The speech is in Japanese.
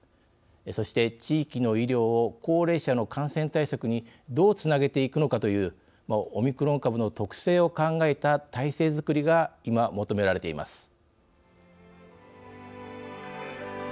そして、地域の医療を高齢者の感染対策にどうつなげていくのかというオミクロン株の特性を考えた体制づくりが今求められています。